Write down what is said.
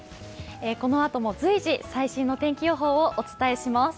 このあとも随時最新の天気予報をお伝えします。